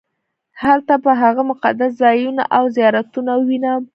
هلته به هغه مقدس ځایونه او زیارتونه ووېنم.